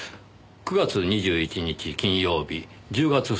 ９月２１日金曜日１０月２日火曜日。